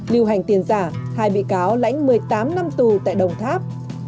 lưu hành tiền giả hai bị cáo lãnh một mươi tám năm tù tại đồng tháp